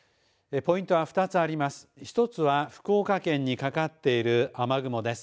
ポイントは２つあります。